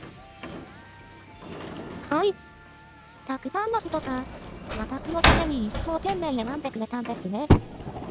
たくさんの人が私のために一生懸命選んでくれたんですね。